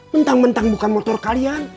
mentang mentang bukan motor kalian